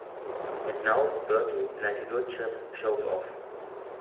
And now, Bertie, like a good chap, shove off.